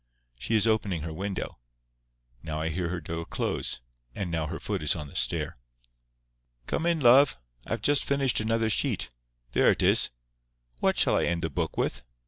She is opening her window. Now I hear her door close; and now her foot is on the stair. "Come in, love. I have just finished another sheet. There it is. What shall I end the book with?